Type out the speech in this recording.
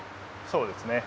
そうですね。